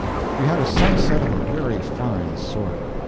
We had a sunset of a very fine sort.